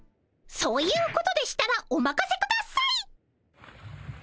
そういうことでしたらおまかせください！